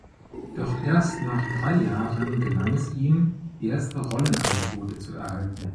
Doch erst nach drei Jahren gelang es ihm, erste Rollenangebote zu erhalten.